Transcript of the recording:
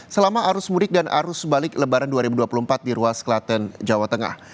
selama arus mudik dan arus balik lebaran dua ribu dua puluh empat di ruas kelaten jawa tengah